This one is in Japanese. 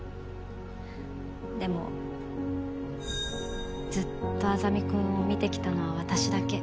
でもずっと莇君を見てきたのは私だけ。